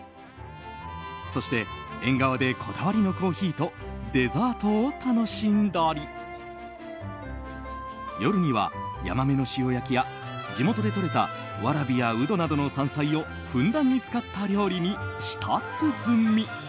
そして縁側でこだわりのコーヒーとデザートを楽しんだり夜にはヤマメの塩焼きや地元でとれたワラビやウドなどの山菜をふんだんに使った料理に舌つづみ。